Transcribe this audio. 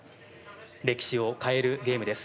歴史を変えるゲームです。